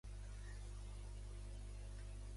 Aquella dona li inspira un gran amor.